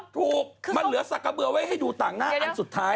ถูกมันเหลือสักกระเบือไว้ให้ดูต่างหน้าอันสุดท้าย